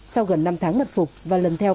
sau gần năm tháng mật phục và lần theo